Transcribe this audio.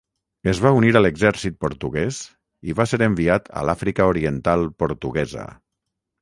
Es va unir a l'Exèrcit Portuguès i va ser enviat a l'Àfrica Oriental Portuguesa.